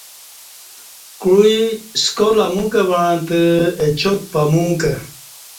کوعی سکال اموکں وعتہ اچا ک پمو کں